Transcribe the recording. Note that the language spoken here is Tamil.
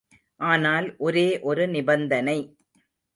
ஆனால் ஒரே ஒரு நிபந்தனை.